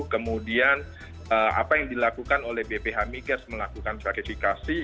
kemudian apa yang dilakukan oleh bph migas melakukan verifikasi